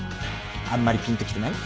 あんまりぴんときてない？